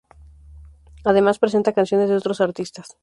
Además presenta canciones de otros artistas.